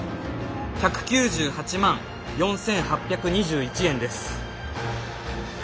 １９８万４，８２１円です。